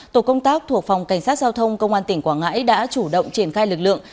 tổ công tác thuộc phòng cảnh sát giao thông công an tỉnh quảng ngãi đã chủ động triển khai lực lượng